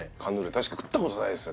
確かに食ったことないです